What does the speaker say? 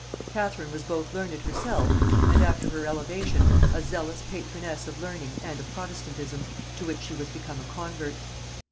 Catherine was both learned herself, and, after her elevation a zealous patroness of learning and of protestantism, to which she was become a convert.